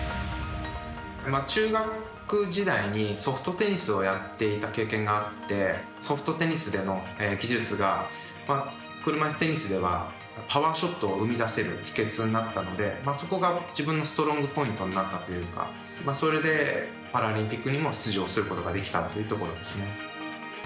中学時代にソフトテニスをやっていた経験があってソフトテニスでの技術が車いすテニスではパワーショットを生み出せる秘けつになったのでそこが自分のストロングポイントになったというかそれで、パラリンピックにも出場することができたっていうところですね。